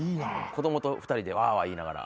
子供と２人でわわ言いながら。